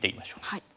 はい。